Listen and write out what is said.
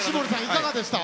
いかがでした？